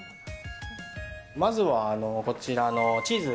まずはこちらのチーズ。